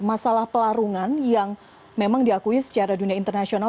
masalah pelarungan yang memang diakui secara dunia internasional